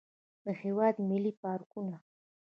د هېواد ملي پارکونه.